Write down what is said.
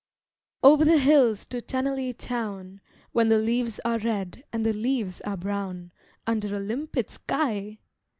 Over the hills to Tennaley Town, When the leaves are red, and the leaves are brown, Under a limpid sky!